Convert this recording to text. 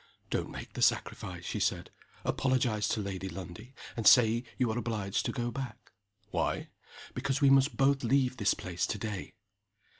"Don't make the sacrifice," she said. "Apologize to Lady Lundie, and say you are obliged to go back." "Why?" "Because we must both leave this place to day."